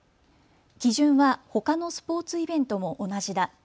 基準はほかのスポーツイベントも同じだ。